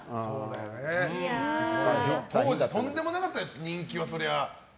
当時、とんでもなかったでしょ人気は、そりゃ。